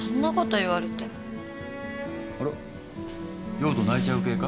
酔うと泣いちゃう系か？